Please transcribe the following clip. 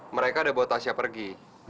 mereka udah bawa tasya pergi